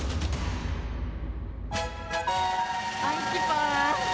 アンキパン？